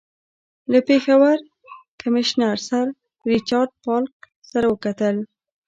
له پېښور کمیشنر سر ریچارډ پالک سره وکتل.